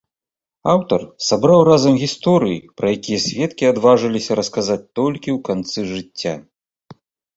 Аўтар сабраў разам гісторыі, пра якія сведкі адважыліся расказаць толькі ў канцы жыцця.